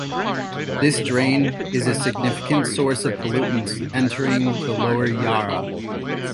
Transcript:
This drain is a significant source of pollutants entering the lower Yarra.